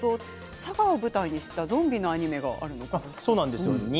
佐賀を舞台にしたゾンビのアニメがあるんですね。